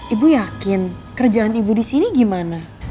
ibu yakin kerjaan ibu disini gimana